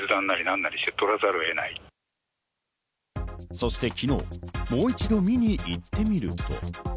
そして昨日、もう一度、見に行ってみると。